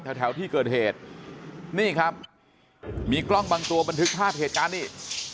แถวที่เกิดเหตุนี่ครับมีกล้องบางตัวบันทึกภาพเหตุการณ์นี่